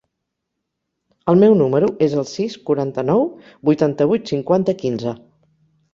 El meu número es el sis, quaranta-nou, vuitanta-vuit, cinquanta, quinze.